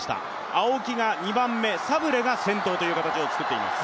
青木が２番目、サブレが先頭という形をつくっています。